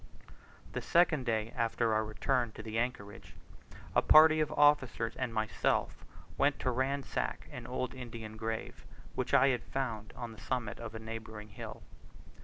The second day after our return to the anchorage, a party of officers and myself went to ransack an old Indian grave, which I had found on the summit of a neighbouring hill.